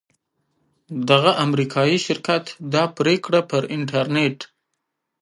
دغه امریکایي شرکت دا پریکړه پر انټرنیټ